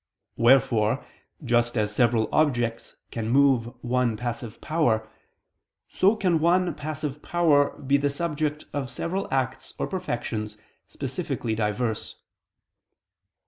Wherefore, just as several objects can move one passive power, so can one passive power be the subject of several acts or perfections specifically diverse.